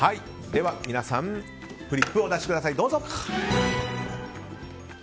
では皆さんフリップをお出しください。